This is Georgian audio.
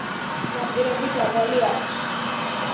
ნაპირები დაბალი აქვს.